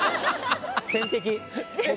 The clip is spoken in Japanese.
天敵